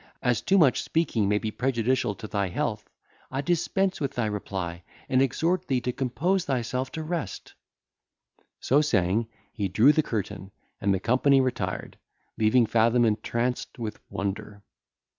As too much speaking may be prejudicial to thy health, I dispense with thy reply, and exhort thee to compose thyself to rest." So saying, he drew the curtain, and the company retired, leaving Fathom entranced with wonder.